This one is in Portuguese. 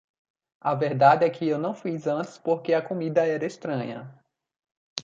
A verdade é que eu não fiz antes porque a comida era estranha.